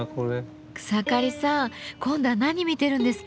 草刈さん今度は何見てるんですか？